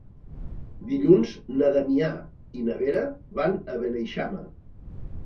Dilluns na Damià i na Vera van a Beneixama.